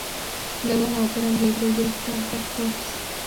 Luego en la opera libre y director de actores.